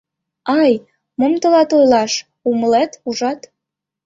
Ай, мом тылат ойлаш, умылет, ужат?